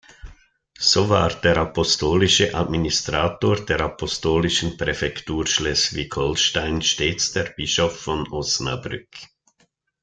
So war der Apostolische Administrator der Apostolischen Präfektur Schleswig-Holstein stets der Bischof von Osnabrück.